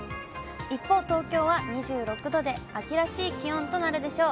一方、東京は２６度で、秋らしい気温となるでしょう。